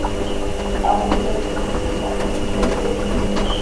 სწავლობდა თბილისის სახელმწიფო უნივერსიტეტში.